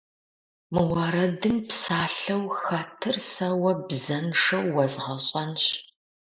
Мы уэрэдым псалъэу хэтыр сэ уэ бзэншэу уэзгъэщӏэнщ.